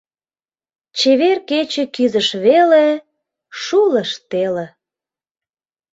Чевер кече Кӱзыш веле — Шулыш теле.